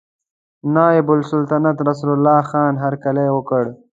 نایب السلطنته نصرالله خان هرکلی وکړ.